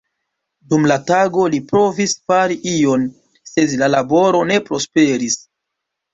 Dum la tago li provis fari ion, sed la laboro ne prosperis.